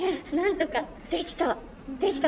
できた。